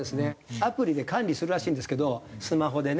アプリで管理するらしいんですけどスマホでね。